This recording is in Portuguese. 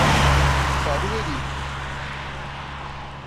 Barueri